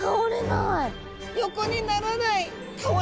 横にならない！